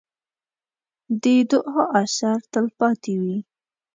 د دعا اثر تل پاتې وي.